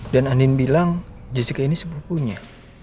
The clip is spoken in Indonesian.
dan andien bilang jessica ini sepupunya